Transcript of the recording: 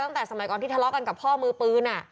ตั้งแต่สมัยก่อนที่ทะเลาะกันกับพ่อมือปืน